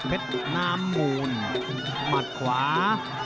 เพชรนามูลหมัดขวา